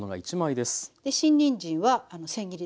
新にんじんはせん切りです。